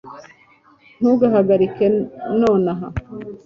ntuhagarike nonaha